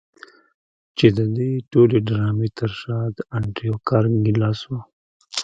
چې د دې ټولې ډرامې تر شا د انډريو کارنګي لاس و.